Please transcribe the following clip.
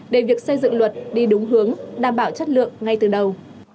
để việc xây dựng luật đi đúng hướng đảm bảo chất lượng ngay từ đầu